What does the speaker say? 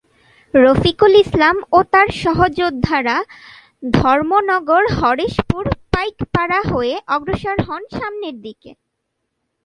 রফিকুল ইসলাম ও তার সহযোদ্ধারা ধর্মনগর-হরষপুর-পাইকপাড়া হয়ে অগ্রসর হন সামনের দিকে।